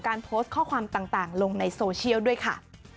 โพสต์ข้อความต่างลงในโซเชียลด้วยค่ะ